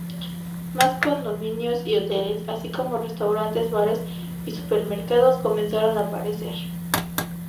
Más condominios y hoteles, así como restaurantes, bares y supermercados comenzaron a aparecer.